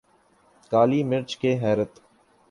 کالی مرچ کے حیرت